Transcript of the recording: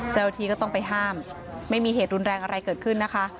เจ้าหน้าที่ก็ต้องไปห้ามไม่มีเหตุรุนแรงอะไรเกิดขึ้นนะคะ